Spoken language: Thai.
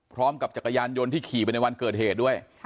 จักรยานยนต์ที่ขี่ไปในวันเกิดเหตุด้วย